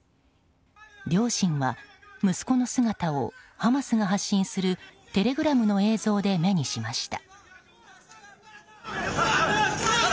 両親は、息子の姿をハマスが発信するテレグラムの映像で目にしました。